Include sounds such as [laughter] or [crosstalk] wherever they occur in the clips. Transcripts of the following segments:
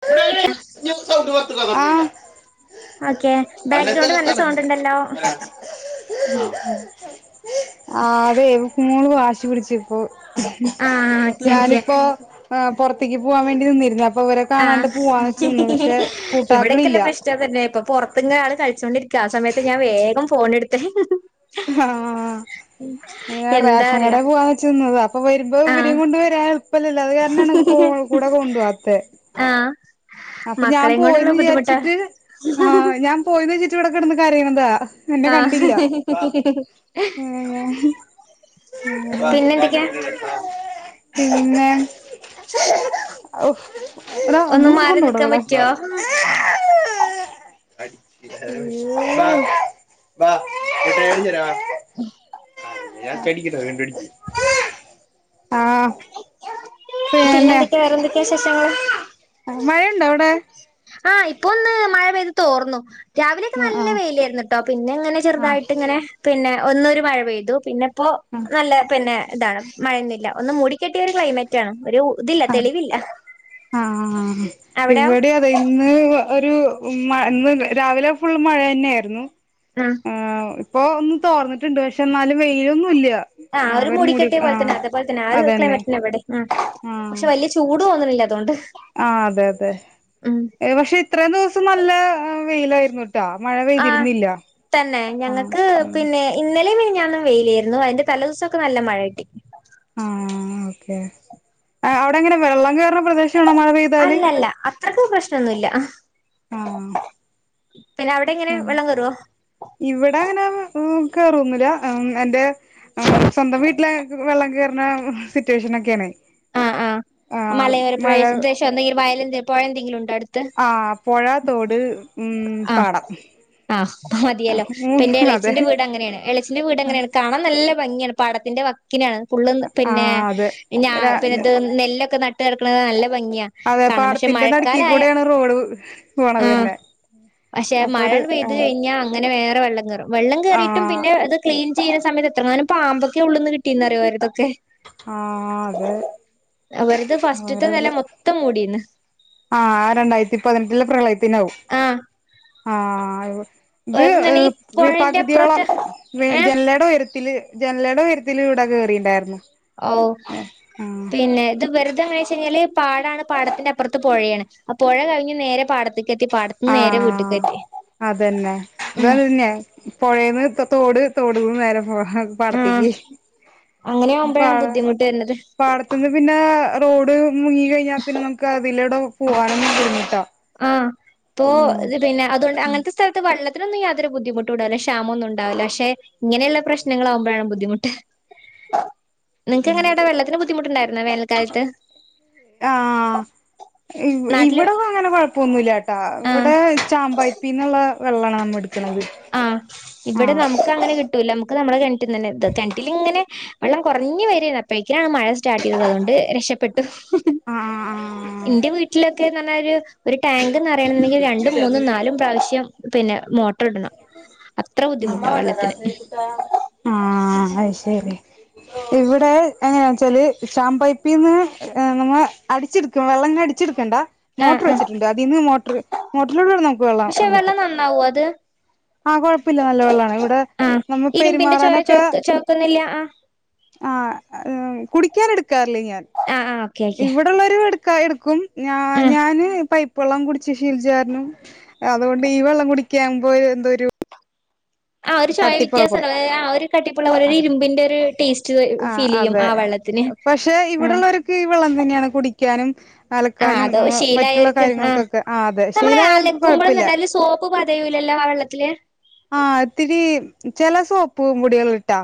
[unintelligible] [unintelligible] Okay അല്ലേ background തന്നെ നല്ല തലക്കണം സൗണ്ട് ഉണ്ടല്ലോ അല്ല ആ അതെ മൂണ് വശി പിടിച്ചു ഇപ്പൊ ആഹ് ഓക്കെ ഓക്കെ ഞാനിപ്പോ ആ പുറത്തേക്ക് പോകൻ വേണ്ടി നിന്നിര വരെ കാണാണ്ട് ആഹ് പൂ വങ്ങച്ചിന്ന് പക്ഷെ പൂട്ടാക്കളില്ല [unintelligible] ആൾ കഴിചോണ്ടിരി ആ സമയത്ത് ഞാൻ വേഗം ഫോൺ എടുത്ത ആ എന്താ റേഷൻ കട അറിയാ പോവാന്ന് ചെന്നത അപ്പൊ വരുമ്പോ ആഹ് ഇവരെയും കൊണ്ട് വരാ കുപ്പല്ല അത് കാരണാണ് കൂടെ കൊണ്ടു പോവാത്തെ ആഹ് അപ്പൊ ഞാൻ മക്കളെയും കൊണ്ടുള്ള പോയിന്ന് ബുദ്ധിമുട്ടാ വിചാരിച്ചിട്ട് ആ് ഞാൻ പോയി വിച ച്ചുവടെ കെട്ന്ന് കരയ്ണ്താ ആ ഹ് പിന്നെ എന്തൊക്കെയാ [unintelligible] പിന്നെ ടാ ഒന്ന് ഒന്നട് മാറി നിക്കാൻ കൊണ്ടോടവളെ പറ്റോ വാ മേടിച്ചെര വാ ഞാൻ കടിക്ക ഞാ കടിച്ച് ആ പിന്നെന്തൊക്കെയാ വേറെന്തൊക്കെയാ വിശേഷങ്ങള് മഴയ്ണ്ടോ അവ്ടെ ആ ഇപ്പൊ ഒന്ന് മഴ പെയ്ത് തോർന്നു രാവിലെക്കെ ആഹ് നല്ല ആഹ് വെയിലേയ്ര്ന്നുട്ടാെ പിന്നെങ്ങനെ ആഹ് ചെർതായിട്ട്ങ്ങനെ പിന്നെ ഒന്നാെരു മഴ പെയ്തു പിന്നെ പ്പൊ ആഹ് നല്ല പിന്നെ താണ് മഴൊന്നുല്ല ഒന്ന് മൂടിക്കെട്ടിയ ഒര് ക്ലൈമറ്റാണ് ഒരു ഇതില്ല അത് തെളിവില്ല ആ അവിടെയോ ഇവടെ അതെ ഇന്ന് വ ഒര് ട്ട് ഉമ്മ ന്ന് രാവിലെ ഫുൾ മഴന്നായ്രുന്നു ഉം ഇപ്പൊ ഒന്ന് തോർന്നിട്ട്ണ്ട് പക്ഷെ എന്നാലും വെയിലൊന്നുല്ല ആ ഒരു മൂടിക്കെട്ടെ പോൽ തന്നെ അതുപോൽതന്നെ ആ ഒരു അതന്നെ ക്ലൈമറ്റന്നെവെടിം ആഹ് പക്ഷെ വല്യ ചൂട് തോന്നണ് ലതൊണ്ട് ആ അതെ അതെ പക്ഷെ ഇത്രയും ദിവസം നല്ല വെയിലായിരുന്നു ആ തന്നെ ആഹ് ഞങ്ങക്ക് ആഹ് പിന്നെ ഇന്ന പല്ല മണ ഞാന്നു വെയിലായിരുന്നു അതിന്റെല ദിവസൊക്കെ നല്ല മഴ കിട്ടി അവിടെങ്ങനെ വെള്ളം കയറുന്ന പ്രദേശ ക്ഷണമഴ പെയ്താല് അ പ്രശ്നൊന്നുമല്ല ആഹ അവിടെ എങ്ങനെ ഉ വെള്ളം കേറുവോ ഇവിടെ അങ്ങനെ കേറുന്നില്ല എന്റെ ഉ സ്വന്തം വീട്ടില വെള്ളം കേറുന്ന സിറ്റുവേഷനൊക്കെയാ ആ ആ മലയോരപ്രദേശത്തൊ എ വയല പോയന്തെങ്കില്ണ്ടൊ എ അടുത്ത് ആഹ് പുഴ തോട് ഉം ആ പാടം ആ മതിയല്ലോ പിന്നെ മൂന്ന് അതെ ഇളയച്ചൻ്റെ വീടങ്ങനെയാണ് കാണാൻ നല്ല ഭംഗിയാണ് പാടത്തിന്റെ വക്കിലാണ് പിന്നെ ആഹ് അതെ ര പിന്നെത് നെല്ലൊക്കെ ന എടുക്കണ് [unintelligible] അതെ പാടത്തിന്റെ നടക്കി കൂടെയാണ് റോഡ് ആ പോണത് തന്നെ പക്ഷെ അപ്പൊ മഴ ഒരു പെയ്ത് ആഹ് കഴിഞ്ഞാ അങ്ങനെ വേറെ വെള്ളം കറും വെള്ളം കേറിട്ടും ആഹ് പിന്നെ അത് ക്ലി ചെയ്യുന്ന സമയത്ത് എത്രങ്ങാനും പാമ്പൊക്കെ ഉള്ളന്ന് കിട്ടീന്ന്റിയോരതൊക്കെ ആഹ് അതെ അതിനകത്ത്ന്നൊക്കെ അവർത് വളരെ ഫസ്റ്റത്തെനെല മൊത്തം മൂടന്ന് ആഹ് രണ്ടായിരത്തിപ്പതിനെട്ടില് പ്രളയ പിന്നൗ ആഹ് ആ ഒരു നില ഈ ഇത് പുഴന്റെ പകുതിയോളം അപ്പുറത്ത് ഏ ജനലേട ഉയരത്തി ജനലയുടെ ഉയരത്തി ഇവിട കേയറിയിണ്ടായിരുന്നു ഓ പിന്നെ ഇത് വെറുതെന്ന് വെച്ച് കഴിഞ്ഞാല് പാടാണ് പടത്തിന്റെ അപ്പുറത്ത് പുഴയാണ് ആ പുഴ കഴിഞ്ഞ് നേരെ പാടത്തി ആ അതന്നെ ഇത ഉം തന്നെ പുഴേല് തോട് തോടുകും ധേരെ പോ ആ ആഹ് പാടത്തേക്ക് അങ്ങനെ ആവുമ്പോഴാണ് പാട ബുദ്ധിമുട്ട് വരുന്നത് പാടത്തന്ന് പിന്നെ റോഡ് മുങ്ങി കഴിഞ്ഞാ പിന്നെ നമുക്ക് അതിലൂടെ പോവാണന്ന പറഞ്ഞിട്ടോ ആ ഇപ്പോ ഇ പിന്നെ അതുകൊണ്ട് അങ്ങനത്തെ സ്ഥലത്ത് വെള്ളത്തി അനൊന്നും യാതരുദ്ധിമുട്ട് ഇണ്ടാവില്ല ക്ഷാമ ഒന്നും ഉണ്ടാവില്ല പക്ഷെ ഇങ്ങനെയുള്ള പ്രശ്നങ്ങൾാകുമ്പോഴാണ് ബുദ്ധിമുട്ട് നിങ്ങക്ക് എങ്ങനെയ അവിടടെ വെള്ളത്തിന് ബുദ്ധിമുട്ടുണ്ടായിരുന്ന വേനൽക്കാലത്ത് ആഹ് നാട്ടില് ഇവിടെ [unintelligible] ആഹ് ഇവിടെ ചാമ്പായപ്പീന്നുള്ള വെള്ളണം ആഹ ഇവിടെ നമുക്ക് അങ്ങനെ കിട്ടൂല നമ്മുടെ കേ കേന്ട്ടിൽ ഇങ്ങനെ വെള്ളം കുറഞ്ഞു വാരുവേനി അപ്പോഴക്കിനാണ് മഴ സ്റ്റാർട്ട് ചെയ്തത് അതുകൊണ്ട് രക്ഷപ്പെട്ടു ആഹ് ആഹ് ആഹ് എന്റെ വീട്ടിലൊക്കെ [unintelligible] ടാങ്ക്ന്ന് നറയണ്ണമെങ്കിൽ രണ്ടും ആഹ് മൂന്നും നാലും പ്രാവശ്യം പിന്നെ മോട്ട് ആ അത് ശരി ഇവിടെ എങ്ങനെയാ വച്ചാൽ ഷാം പൈപ്പിൽ നിന്ന് നമ്മൾ അടിച്ചെടുക്കും വെള്ളം ങ്ങനെ അടിച്ചെടുക്കണ്ട ആഹ് മോട്ടർ ആഹ് വെച്ചിട്ടുണ്ട് അതിന്ന് മോട്ടർ മോട്ടറിലൂടെൂടെ നമുക്ക് പക്ഷെ വെള്ളം കിട്ടും നന്നാവോ അത് ആഹ കുഴപ്പമില്ല നല്ല വെള്ളാണ് ഇവിടെ ആഹ് നമ്മ ഇരുമ്പിന്റെ ചോയ ചോ പെരുമാറാനൊക്കെ ചോക്കുന്നില്ല ആഹ് ആഹ കുടിക്കാൻ എടു കർളിയാൻ ആഹ് ആഹ് ഓക്കെ ഓക്കെ ഇവിടെള്ളരു എടുക്കായി എടുക്കും ഞാ ആഹ് ഞാന് ഇപ്പ വള്ളം കുടിച്ച് ശീൽജാരണം അതുകൊണ്ട് ഈ വെള്ളം കുടിക്കകുമ്പോ എന്തോരു ആ ഒരു ചോയ വ്യത്യാസം അത ആ ഒരു കട്ടിപ്പുള്ളര ഇരുമ്പിന്റെ ഒരു ടേസ്റ്റ് ആ ഫീൽ ചെയ്യും അതെ ആ വെള്ളത്തിന് പക്ഷെ ആഹ് ഇവിടെള്ളവർക്ക് ഈ വെള്ളം തന്നെയാണ് കുടിക്ക ിക്കാനും ആഹ് അലക്കാനും അതോ ന മറ്റുള്ള ശീലായോര്ക്ക് ആഹ് കാര്യങ്ങൾക്കൊക്കെ ആ അതെ നമ്മള് ശീലായവർക്ക് അലക്കുമ്പളും കുഴപ്പില്ല തന്നെ അതില് സോപ്പ് പതയൂലല്ലോ ആ വെള്ളത്തില് ആഹ ഇത്തിരി ച സോപ്പ് മുടികൽ ഇട്ടാ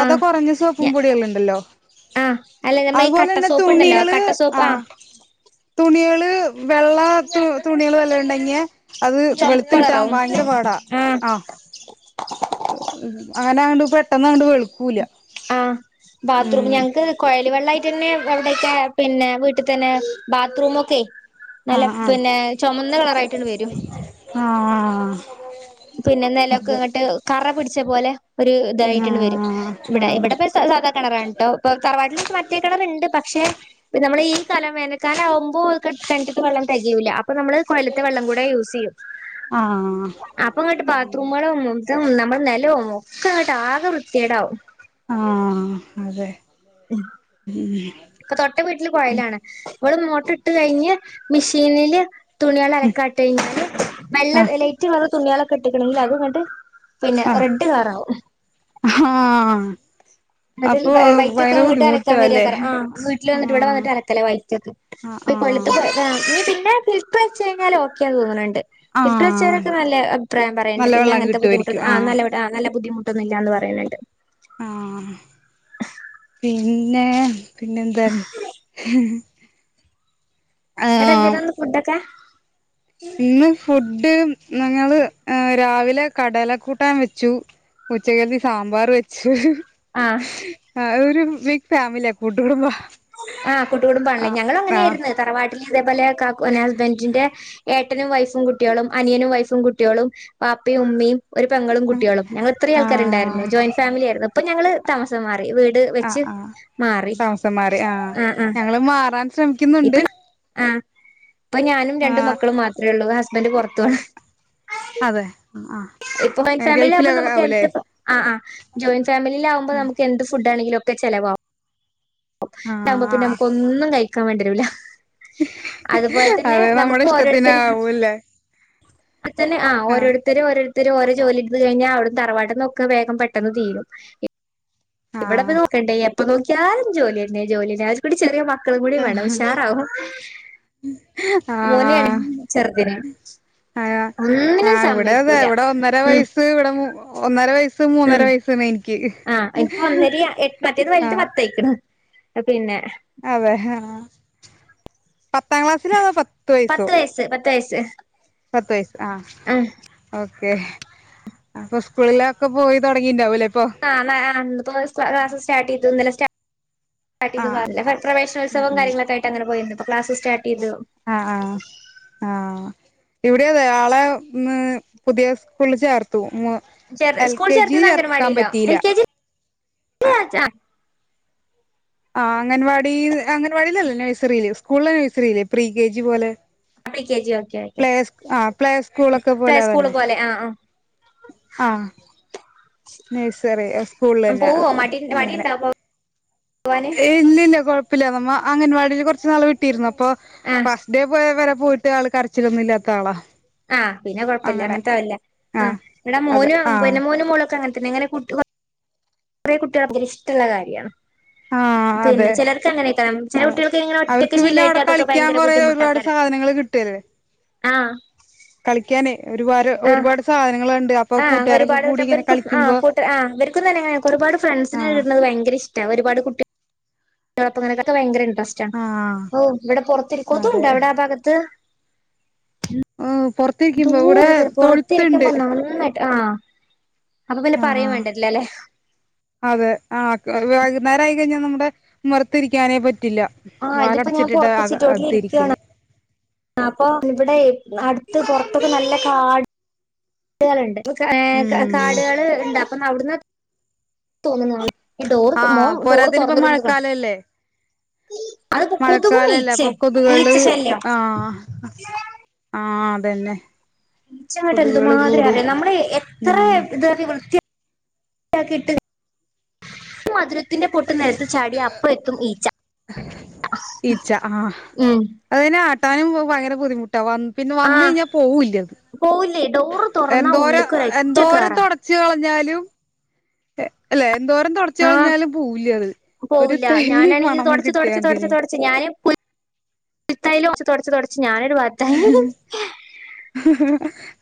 ആഹ് സോപ്പും ഞ പൊടിക ഉണ്ടല്ലോ ആഹ് അല്ല നമ്മ ഈ കട്ട അതുപോലെന്നെ സോപ്പ്ണ്ടല്ലോ തുണികൾ കട്ട സോപ്പ് ആ ആഹ് വെള്ള തുണികൾ വല്ല ഉണ്ടെങ്കിയ അത് വെളുത്ത കിട്ടാൻ ചൊമപ്പളറാവും ഭയങ്കര പാടാ ആഹ് ആ അങ്ങനെണ്ട് ഇപ്പ പെട്ടെന്ന്ാൊണ്ട് വെളുൂല്ല ആഹ ബാത്റൂം ഞങ്ങൾക്ക് കുഴലി വെള്ളമായിട്ട് ന്നെ എവിടെയൊക്കെ പിന്നെ വീട്ടിൽ തന്നെ ബാത്റൂമ ഒക്കെ നല്ല ആഹ് ആഹ് പിന്നെ ചുമന്ന കളർായിട്ടണ്ട് വരൂ ആഹ് പിന്നെ എന്തലൊക്കെ അതെ ഇങ്ങോട്ട് കറപടി െ പോോലെ ഒരു ഇതായിട്ടുണ്ട് വരും ആഹ് ഇവിടെ ആഹ് ഇവിടെ ഇപ്പ സാധാ കണറാണ് കേട്ടോ ഇപ്പൊ തറവാട്ടില മറ്റേ കളറുണ്ട് പക്ഷെ നമ്മള് ഈ കലം വേനൽക്കാല ആകുമ്പോെ കണ്ടിട്ട് വെള്ളം തികൂല്ല അപ്പ നമ്മള് കൊയയിലത്തെ വെള്ളം കൂടെ യൂസ് ചെയ്യും ആഹ് അപ്പൊ അങ്ങട്ട് ബാത്റൂ അങ്ങനെ നമ്മ നലോ ഒക്കെ അങ്ങിട്ട് ആകെ വൃത്തിയേടാവും ആഹ അതെ ഇപ്പൊ തൊട്ട വീട്ടില് ഉം കോയയിലാണ് ഇവിള് മോട്ടർ ഇട്ട് കഴിഞ്ഞ് മെഷീനിില് തുണിയള ഉം അലക്കാട്ട കഴിഞ്ഞാൽ വെല്ല ആഹ് ലേറ്റ് വറ തണികളൊെട്ടണെങ്കേ അത്ങ്ങട്ട് പിന്നെ റെഡ് കറ ആാവും ആഹ അതി വൈക്കൊക്കെ ഇങ്ങോട്ട് അരക്കാൻ അല്ലേ വരിയാക്ക ആ വീട്ടിൽ വന്നിട്ട് ഇവിടെ ആഹ് വന്നിട്ട് അലക്കല്ലേ ആഹ് വൈക്കൊക്കെഈ ആഹ് കൊല്ല ഫിപ്പ് വെ കഴിാൽ ഓക്കൊ തോന്നുന്നുണ്ട് ഫിൽർ ആഹ് വച്ചവരൊെ നല്ല അഭിപ്രായം പറയണ്ട് നല്ല പിന്നെ വെള്ളം അങ്ങന ബുദ്ധിമുട്ട കിട്ടുവായിരിക്കും ആ ആഹ് നല്ല നല്ല ബുധിമുട്ട് പിട്ടുന്നില്ലന്ന് പറയുന്നുണ്ട് ഉം പിന്നെ പിന്നെന്താണ് ടാ ആഹ് ഇന്നര് ഫുഡൊക്കെ ഇന്ന് ഫുഡ് ഞങ്ങള് രാവിലെ കടല കൂട്ടാൻ വെച്ചു ഉച്ചക്ക് സാമ്പാർ വെച്ചു ആഹ് ആ ബിഗ് ഫാമിലിയ ആ കൂട്ടു കുടുംമ്പ ആഹ് കുട്ടു കുടുംബാണല്ലേ ഞങ്ങൾ അങ്ങനെയ ആയിർന്നു തറവാടി ഇതേപോലെ കാകും ഹസ്ബൻഡിന്റെ ഏട്ടനും വൈഫും കുട്ട്യോളും അനിയനും വൈഫും കുട്ട്യോളും ബാപ്പയും ഉമ്മയും ഒരു പെങ്ങളും കുട്ട്യോളും ഞങ്ങള് ഇത്രയും ആ ആൾക്കാരു ഉണ്ടായിരുന്നു ജോയിന്റ് ഫാമിലിയായിര്ന്ന് ഇപ്പൊ ഞങ്ങള് താമസം മാറി വീട് ആ വെച്ച് ആ മാറി താമസം മാറി ആ ആഹ് ആഹ് ഞങ്ങള് മാറാൻ ഇപ്പൊ ശ്രമിക്കുന്നുണ്ട് ആഹ് ഇപ്പൊ ഞാനും ആ രണ്ടു മക്കളും മാത്രേ ഒള്ളൂ ഹസ് സ്ബന്റ് പൊർത്തൊ അതെ ആ ഇപ്പ മൈ ഫാമിലി ആകുമ്പോ ഗൾഫിലൊക്കെ നമുക്ക് ആവൂലേ എന്ത് ആ ആ ജോയിന്റ് ഫാമിലിലാവുമ്പോ നമുക്ക് എന്ത് ഫുഡ് ആണെങ്കിലും ഒക്കെ ചെലവാവും ആ പിന്നെമ്മക്ക് ഒന്നും കഴിക്ക് ക്കാ വേണ്ടിരൂല അത് നമ്മുടെ ഇഷ്ടത്തിന് ഓരോരുത്തര് ആകൂല്ലേ ആഹ ഓരോരുത്തരും ഓരോ ജോലിട്ത്ത് കഴിഞ്ഞാ അവിടെ തറവാട്ട്ന്നൊക്കെ വേഗം പെട്ടെന്ന് തീരും ഇപ് ആ ഇവിടെപ്പ നോക്കണ്ടേ എപ് പ്പൊ നോക്കിയാലും ജോല്യന്നെ ജോലി അത് കൂടി ചെറിയ മ ക്കള് കൂടി വേണം ഉഷാറാവും. ആ മോനെയാണ് ചെറുതിന് ആ ആ ഒന്നിനും ഇവിടതേ സമ്മയിക്കൂല ഇവിടെ ഒന്നര ഉം വയസ്സ് ഇവിടെ മു ഒന്നര വയസ് മൂന്നര ഉം വയസന് ആഹ് ഇപ്പോ ഒന്നരി എ മറ്റേത് വല്ത് ആഹ് പത്തായ്ക്ക്ണ്. പിന്നെ അതെ ഹാ പത്താം ക്ലാസ്സിലാതോ പത്ത് വയസ്സോ തൈസ് പത്ത് വയസ് ആ ഓ ക്കെ അപ്പൊ സ്കൂളിലൊക്കെ പോയി തൊടങ്ങീണ്ടാവൂലേ ആ [unintelligible] സ്റ്റാർട്ടീതു ഇന്നലെ സ്റ്റ [unintelligible] ആഹ് പ്രവേശനോത്സവും കാര്യങ്ങളൊക്കെ ആയിട്ട് അങ്ങനെ പോയിന്നു. ക്ലാസ് സ്റ്റാ ആ ആ ആ ഇവിടെയതെ ആളെ മ് പുതിയ സ്കൂളിൽ ചേർത്തു ചെ എൽ സ്കൂൾ കെ ജി ചേർത്തിയത് ചേർക്കാൻ അങ്കനവാടിയിലാ എൽ പറ്റിയില്ല കെ ജി [inaudible] ആ അംഗൻവാടീല് അംഗൻവാടിയിൽ അല്ല നേഴ്‌സറീല് സ് കൂളിലെ നഴ്സറീല് പ്രീ കെ ജി പോലെ പ്രീ കെ ജിയോ പ്ലേ ആ പ്ലേ സ്കൂള ഒക്കെ പ്ലേ പോലെ സ്കൂള് തന്നെ പോലെ ആഹ് ആഹ് നേഴ്സറി സ്കൂള് ആഹ് തന്നെ പോവോ മടി അങ്ങനെ മടിയുണ്ടോ പോവാന് ഏയ് ഇല്ല ഇല്ല കുഴപ്പ കൊയപ്പില്ല നമ്മ അംഗൻവാടിയിൽ കുറച്ച് നാൾ വിട്ടിയിരുന്നു അപ്പൊ ആഹ് ഫസ്റ്റ് ഡേ പോയവരെ പോയിട്ട് ആൾ കരച്ചിലൊന്നും ഇല്ലാത്ത ആളാ ആഹ് പിന്നെ കുഴപ്പമില്ല അങ്ങനെ അങ്ങനത്തൊല്ല ആ ആ് ഇവിടെ അതെ മോനും ആ പിന്നെ മോനും മോളൊക്കെ അങ്ങനന്നെ അങ്ങനെ കുട്ടുക കുറേ കുട്ടികൾതിരി ഇഷ്ടമുള്ള കാര്യമാണ് ആ പിന്നെ അതെ ചിലർക്ക് അങ്ങനെക്കണം ചില ആ കുട്ടികൾക്ക് എങ്ങനെ ഒറ്റക്ക് അവർക്ക് പിന്നെ ശീലമായിട്ട് അവിടെ അതൊക്കെ കളിക്കാൻ ഭയങ്കര കൊറേ ഒരുപാട് ബുദ്ധിമുട്ടാക്കാറ് സാധനങ്ങൾ ആഹ് കളി കളിക്കാനെ ഒരുപാട് ഒരുപാട് സാധനങ്ങളുണ്ട് അപ്പൊ ആഹ കൂട്ടുകാരൊക്കെ കൂടി ഇങ്ങനെ ഒരുപാട്ർക്കും കളിക്കുമ്പോ കൂട്ട ആ് ഇവർക്കും തന്നെ ഒരുപാട് ഫ്രണ്ട്സിനെ ആഹ് ഇടുന്നത് ഭയങ്കര ഇഷ്ടമാണ് ഒരുപാട് കുട്ടികൾ പ്പങ്ങനക്കൊക്കെ ഭയങ്കര ഉണ്ട് ആഹ് ഓ ഇവിടെൊറത്തിരിക്കും അതെ കൊതുകുണ്ടൊ ആ ഭാഗത്ത് ഓ എന്തോരം പുറത്തിരിക്കുമ്പോ നന്നായിട്ട് ആഹ ആഹ അതെ ആഹ വൈകുന്നേരം ആയി കഴിഞ്ഞ നമ്മ ഉമ്മറത്തിരിക്കാനെ പറ്റി ഇല്ല ആഹ് ഇതിപ്പോ ഞാൻ വാതിലടച്ചിട്ടിട്ട് പുറത്ത് സിറ്റോട്ടിൽ ഇരിക്കുകയാണ് അകതിരിക്കല് അപ്പൊ ഇവിടെ അടുത്ത് പൊറത്തൊക്ക നല്ല കാട് ലുണ്ട് ഉം കാടുകൾ ഉണ്ട് അപ്പം അവിടുന്ന് തോന്നുന്ന ഈ ഡോർ മോ ആഹ് ഡോർ പോരാത്തതിന് ഇപ്പ തുറന്നട മഴക്കാലല്ലേ അത്ക്കൂത്ത മഴക്കാലല്ലേ മീച്ച അപ്പൊ കൊതുകള് ഈച്ച് ശല്യം ആഹ അതന്നെ ച്ചട്ട് കൊതുകള് എന്തുമാതി കൂടും അറിയാം നമ്മള് എത്ര ഉം ഇത വൃത്തി മധുരത്തിന്റെ പൊ അ നേരത്ത് ചാടിിയ അപ്പ എത്തും ഈച്ച ഉ എാനും ഭയ ബുദ്ധിമു് ട്ട വ പിന്നെ വന്ന ആഹ് കഴിഞ്ഞാൽ പോവൂില്ല അത് പോവില്ലേ ഡോറ് തുറന്നാ എന്തോര ഉള്ളിക്ക് ഒരൊറ്റ എന്തോര കേറാ തുടച്ചികൾ പറഞ്ഞാലും അല്ലെ എന്തോരം തുടച്ചു ആഹ് കളിഞ്ഞാലും പോൂല അത് ഒരു പോവില്ല തൈ പണം കിട്ടിയതിെ ചത്തല [unintelligible] തുടച്ച് തുടച്ച് ഞാനൊരു പാത്തായി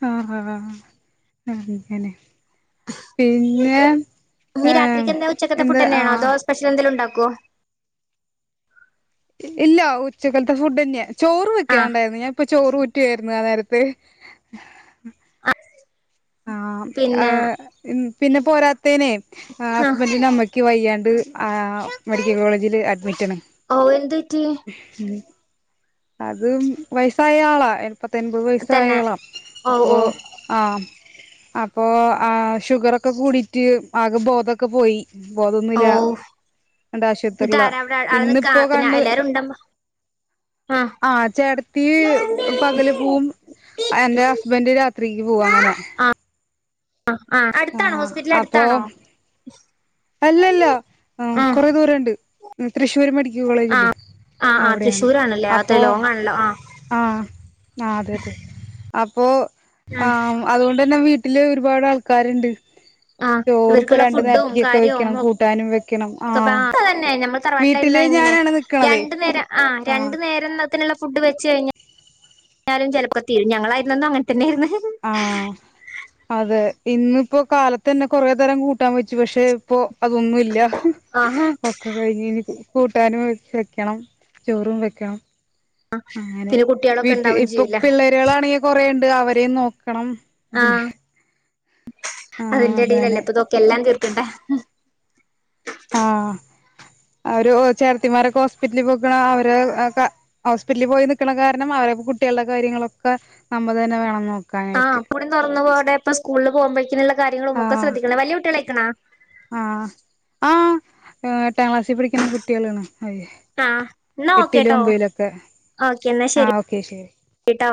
ആ ആ അ എക്ക് [unintelligible] പിന്നെ ഇനി ഏർ രാത്രിക്ക് എന്താ ആ കൊ ഇല്ല ഉച്ചക്കലത്തെ ഫുഡ് തന്നെയാ ചോറ് ആഹ് വെക്കുണ്ടായിരുന്നു ഞാൻപ്പൊ ചോറ്ു കായിരുന്നു ആ നേരത്തെ ആഹ ആ പിന്നെ [unintelligible] പിന്നെ പോരാ േെ ആഹ് ഹസ്ബന്ഡന് അമ്മയ്ക്ക് വയ്യാണ്ട് മെഡിക്കൽ കോളേജ [unintelligible] ഓ എന്തറ്റി അതും വയസായ ആളാ പത്തൊൻപത് തന്നെ വയസ്സായളാം ഓ ഓ അപ്പോൾ ആ അപ്പോൊ ആ് ഷുഗറൊക്കെ കൂടിട്ട് ആകെ ബോധൊക്കെ പോയി ഓ ബോധൊന്നുമില്ല എന്റെ എന്നിട്ട് ആശുപത്രിുള്ള ആരാ അവിടെ ആള് നിക്കാ ഇന്നിപ്പോൊ പിന്നെ കണത് എല്ലാരും ഉണ്ടമ്മ ആ ചേടത്തി പകല് പോവും എന്റെ ഹസ്ബൻറ് രാത്രിക്ക് പോവുംും അങ്ങനെ ആ ആ അടുത്താണോ ആ ഹോസ്പിറ്റല അപ്പൊ അടുത്താണോ ആ തൃശൂരി മഡ ആ കോളേജിലെ ആ ആ അവിടെയാണ് തൃശ്ശൂരാണല്ലേ അത്ര അപ്പോ ലോങ് ആണല്ലോ ആ ആ അതെ അതെ അപ്പൊ ആ ഇപ്പോ തന്നെ വീട്ടില് ഒരുപാട് ആൾക്കാരുണ്ട് ആ ചോറ് ഇപ്പോ ഇവർക്കുള്ള രണ്ട് ഫുഡും നേരത്തക്കൊക്കെ കാര്യവും വെക്കണം കൂട്ടാനും വെക്കണം ആ ഒക്കെ തന്നെ നമ്മൾ തറവാട്ടിലായിരുന്ന വീട്ടില് ഇങ്ങനെ ഞാനാണ് നിക്കണതേ രണ്ടു നേരം ആ ആഹ് രണ്ടു നേരം [inaudible] [unintelligible] ഫുഡ് വെച്ചുകഴിഞ്ഞാൽ എന്തായാലും ചിലപ്പോൾ ഒക്കെ തീരും ഞങ്ങളെയിരുന്നപ്പോൾ അങ്ങനെ തന്നെയായിരുന്നു ആ അതെ ഇന്നിപ്പോ കാലത്ത് തന്നെ കൊറേ തരം കൂട്ടാൻ വച്ചു പക്ഷെ ഇപ്പോ അതൊന്നുമില്ല ആ ഒക്കെ കഴിഞ്ഞനി കൂട്ടാനും വെക്കണം ചോറും വെക്കണം അങ്ങനെ പിന്നെ കുട്ടികളൊക്കെ വീട്ടിൽ ഉണ്ടാവും ഇപ്പൊ ചെയ്യൂല പിള്ളേരകൾാണെങ്കിൽ കൊറേ അവരെയും നോക്കി കണം ഇതിന് ആഹ് [unintelligible] അതിന്റെ ഇടയിലല്ലേ ഇപ്പൊ ഇതൊക്കെ എല്ലാം തീർ- [inaudible] ആ അവര് ചേട്ടത്തിമാര് ഹോസ്പിറ്റലിൽ പോയിക്കണ അവര് ഹോസ്പിറ്റലിൽ പോയി നിക്കണ കാരണം അവരെ കുട്ടികളുടെ കാര്യങ്ങളൊക്കെ നമ്മ തന്നെ വേണം നോക്കാൻ ആഹ്പ്പൊടും [unintelligible] തുറന്നപോ സ്കൂൾ [inaudible] കാര്യങ്ങളും ഒക്കെ ആഹ് ശ്രദ്ധിക്കണ വലിയ കുട്ടികൾ ആയിക്കാനോ ആ എട്ടാം ക്ലാസിൽ പഠിക്കുന്ന കുട്ടികളാണ് അ ആഹ് എന്നാ എട്ടിലും ഓക്കേട്ടോ ഒമ്പിലോ ഒക്കെ ഓക്കെ എന്നാ ആ ശരി ഓക്കെ ശരി ട്ടോ